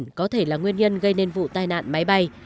nguyên nhân có thể là nguyên nhân gây nên vụ tai nạn máy bay